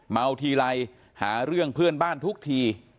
เมาทีไรหาเรื่องเพื่อนบ้านทุกที